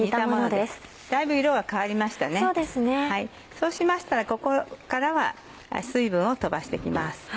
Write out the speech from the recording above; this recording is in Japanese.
そうしましたらここからは水分を飛ばして行きます。